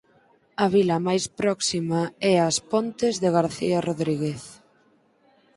A vila máis próxima é As Pontes de García Rodríguez.